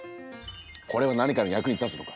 これは何かの役に立つのか？